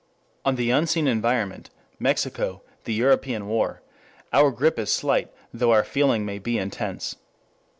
On the unseen environment, Mexico, the European war, our grip is slight though our feeling may be intense.